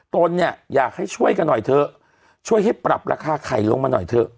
ตนเนี่ยอยากให้ช่วยกันหน่อยเถอะช่วยให้ปรับราคาไข่ลงมาหน่อยเถอะ